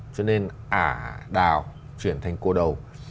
cho nên ả đào chuyển thành cô đầu